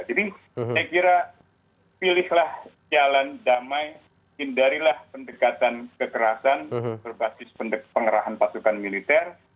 jadi saya kira pilihlah jalan damai hindarilah pendekatan kekerasan berbasis pengerahan pasukan militer